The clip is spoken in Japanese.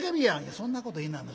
「そんなこと言いないな。